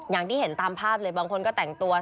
อย่างที่เห็นตามภาพเลยบางคนก็แต่งตัว